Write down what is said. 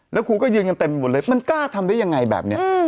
แล้วครูก็ยืนกันเต็มหมดเลยมันกล้าทำได้ยังไงแบบนี้